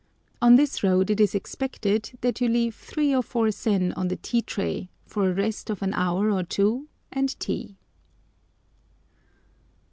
On this road it is expected that you leave three or four sen on the tea tray for a rest of an hour or two and tea.